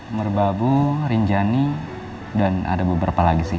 umur babu rinjani dan ada beberapa lagi sih